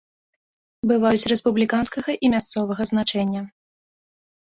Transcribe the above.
Бываюць рэспубліканскага і мясцовага значэння.